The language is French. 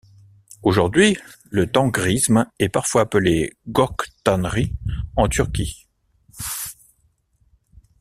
Aujourd'hui, le tengrisme est parfois appelé Gök Tanrı en Turquie.